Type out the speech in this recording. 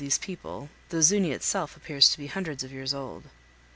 these people, though Zuñi itself appears to be hundreds of years old.